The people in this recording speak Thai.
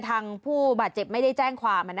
ทางผู้บาดเจ็บไม่ได้แจ้งความ